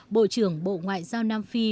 bộ trưởng bộ ngoại giao nam phi